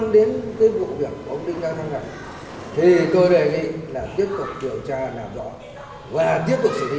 là qua vụ ông đinh nga thăng này